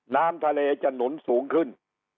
น้ำทะเลจะหนุนสูงขึ้น